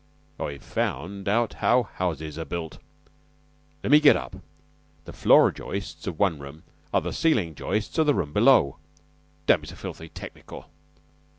"I've found out how houses are built. Le' me get up. The floor joists of one room are the ceiling joists of the room below." "Don't be so filthy technical."